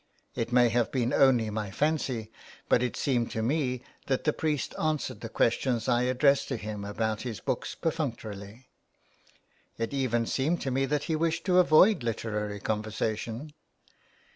It may have been only my fancy, but it seemed to me that the priest answered the questions I addressed to him about his books perfunctorily; it even seemed to me that he wished to avoid literary conversation.